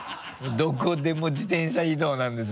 「どこでも自転車移動なんです」